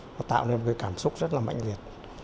nó tạo nên một cái cảm xúc rất là mạnh liệt